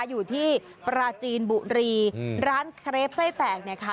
อยู่ที่ปราจีนบุรีร้านเครปไส้แตกเนี่ยค่ะ